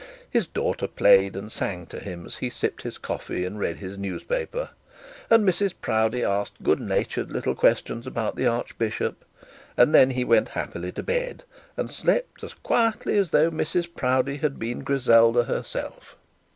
His daughter played and sang to him as he sipped his coffee and read his newspaper, and Mrs Proudie asked good natured little questions about the archbishop; and then he went happily to bed, and slept as quietly as though Mrs Proudie had been Griselda herself.